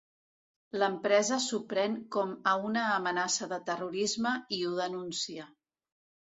L'empresa s'ho pren com a una amenaça de terrorisme i ho denuncia.